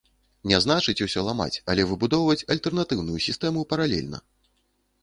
Не значыць усё ламаць, але выбудоўваць альтэрнатыўную сістэму паралельна.